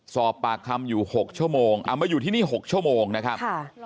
สอบปากคำอยู่๖ชั่วโมงเอามาอยู่ที่นี่๖ชั่วโมงนะครับ